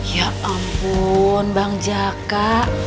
ya ampun bang jaka